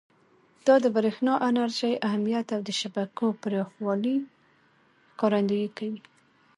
دا د برېښنا انرژۍ اهمیت او د شبکو پراخوالي ښکارندویي کوي.